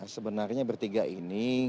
sebenarnya bertiga ini